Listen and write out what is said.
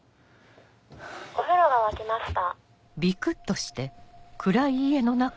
お風呂が沸きました。